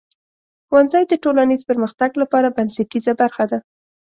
ښوونځی د ټولنیز پرمختګ لپاره بنسټیزه برخه ده.